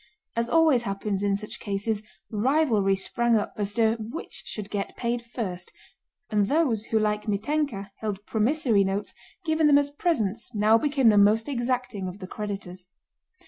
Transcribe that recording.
As always happens in such cases rivalry sprang up as to which should get paid first, and those who like Mítenka held promissory notes given them as presents now became the most exacting of the creditors.